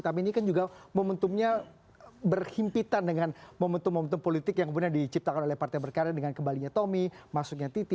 tapi ini kan juga momentumnya berhimpitan dengan momentum momentum politik yang kemudian diciptakan oleh partai berkarya dengan kembalinya tommy masuknya titi